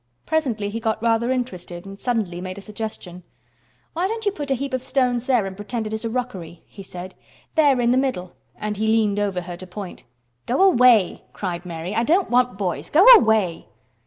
Presently he got rather interested and suddenly made a suggestion. "Why don't you put a heap of stones there and pretend it is a rockery?" he said. "There in the middle," and he leaned over her to point. "Go away!" cried Mary. "I don't want boys. Go away!"